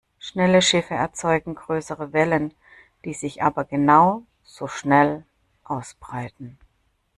Schnelle Schiffe erzeugen größere Wellen, die sich aber genau so schnell ausbreiten.